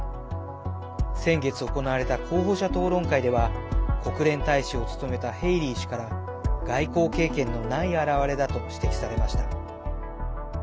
先月行われた候補者討論会では国連大使を務めたヘイリー氏から外交経験のない表れだと指摘されました。